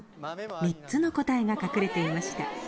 ３つの答えが隠れていました。